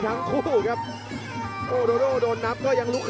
โอ้โหไม่พลาดกับธนาคมโดโด้แดงเขาสร้างแบบนี้